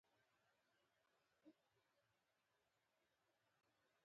په دې توکو کې کاربن دای اکساید او امونیا شامل دي.